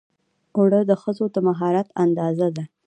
اوړه د ښځو د مهارت اندازه ده